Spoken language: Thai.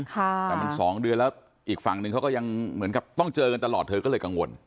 แต่มัน๒เดือนแล้วอีกฝั่งนึงเขาก็ยังเหมือนกับต้องเจอกันตลอดเธอก็เลยกังวล